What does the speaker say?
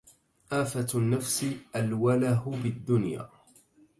آفة النّفس الوَلَه بالدّنيا.